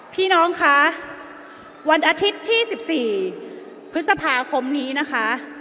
พี่น้องคะวันอาทิตย์ที่๑๔พฤษภาคมนี้นะคะ